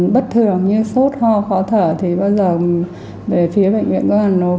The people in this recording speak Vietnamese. bất thường như sốt ho khó thở thì bao giờ về phía bệnh viện công an hà nội